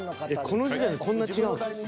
［この時点でこんなに違う？］